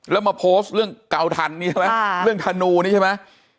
แล้วมาโพสต์เรื่องเก่าธันเรื่องธนูนี่ใช่ไหม